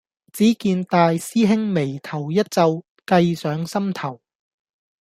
只見大師兄眉頭一皺，計上心頭